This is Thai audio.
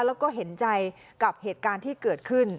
แล้วก็เห็นใจกับเหตุการณ์ที่เกิดขึ้น